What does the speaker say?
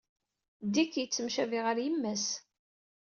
Dick yettemcabi ɣer yemma-s.